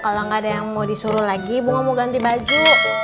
kalau nggak ada yang mau disuruh lagi bunga mau ganti baju